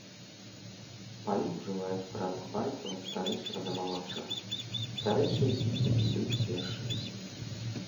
Палі ўжываюць парадак байтаў ад старэйшага да малодшага, старэйшыя біты ідуць першымі.